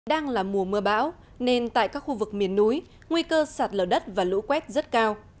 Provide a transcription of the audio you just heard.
đang là mùa mưa bão nên tại các khu vực miền núi nguy cơ sạt lở đất và lũ quét rất cao